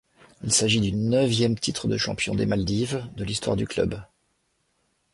Il s'agit du neuvième titre de champion des Maldives de l'histoire du club.